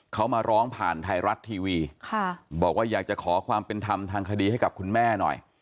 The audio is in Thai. เขามาร้องผ่านไทยรัฐทีวีบอกว่าอยากจะขอความเป็นธรรมทางคดีให้กับคุณแม่หน่อย